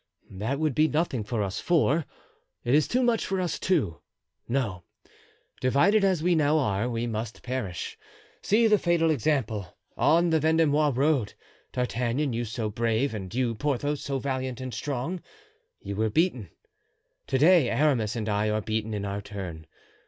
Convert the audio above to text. "That would be nothing for us four; it is too much for us two. No, divided as we now are, we must perish. See the fatal example: on the Vendomois road, D'Artagnan, you so brave, and you, Porthos, so valiant and so strong—you were beaten; to day Aramis and I are beaten in our turn.